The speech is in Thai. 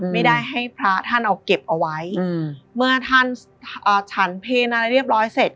ไม่ได้ให้พระท่านเอาเก็บเอาไว้เมื่อท่านฉันเพลอะไรเรียบร้อยเสร็จ